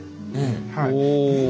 はい。